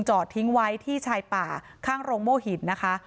จอดทิ้งไว้ที่ชายป่าข้างโรงโม่หินนะคะ